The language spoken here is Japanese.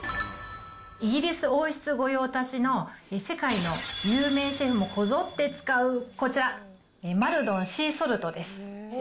イギリス王室御用達の、世界の有名シェフもこぞって使う、こちら、マルドンシーソルトです。